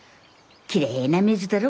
きれいな水だろ？